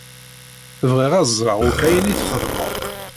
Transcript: Bɣiɣ ad ẓṛeɣ akk ayen i txedmeḍ.